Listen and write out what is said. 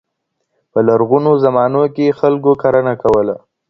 په لرغونو زمانو کي خلکو کرنه کوله.